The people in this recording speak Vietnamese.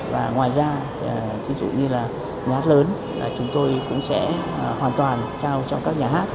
và ngoài ra ví dụ như là nhà hát lớn chúng tôi cũng sẽ hoàn toàn trao cho các nhà hát